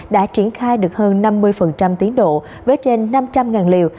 đã triển khai được hơn năm mươi tiến độ với trên năm trăm linh liều